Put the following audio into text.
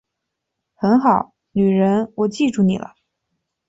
很好，女人我记住你了